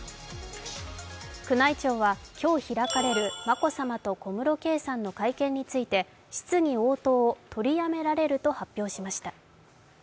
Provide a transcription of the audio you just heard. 宮内庁は今日開かれる眞子さまと小室圭さんの会見について質疑応答を取りやめられると発表しました。